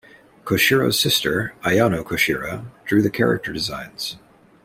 Koshiro's sister, Ayano Koshiro, drew the character designs.